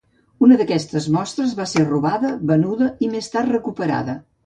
Una d'aquestes mostres va ser robada, venuda i més tard recuperada.